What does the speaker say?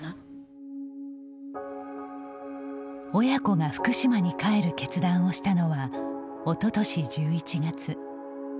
親子が福島に帰る決断をしたのはおととし１１月。